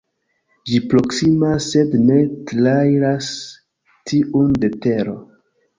Ĝi proksimas sed ne trairas tiun de Tero.